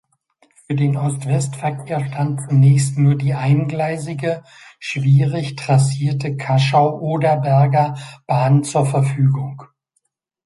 Für den Ost-West-Verkehr stand zunächst nur die eingleisige, schwierig trassierte Kaschau-Oderberger Bahn zur Verfügung.